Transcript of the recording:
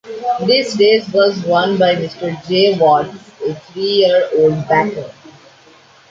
This race was won by Mr. J Watt's three-year-old Batter.